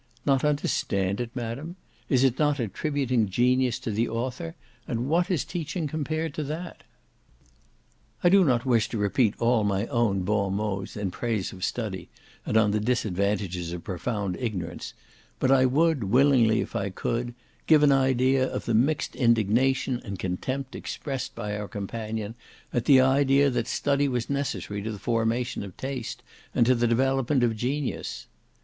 "Not understand it, madam? Is it not attributing genius to the author, and what is teaching compared to that?" 296 I do not wish to repeat all my own bons mots in praise of study, and on the disadvantages of profound ignorance, but I would, willingly, if I could, give an idea of the mixed indignation and contempt expressed by our companion at the idea that study was necessary to the formation of taste, and to the development of genius.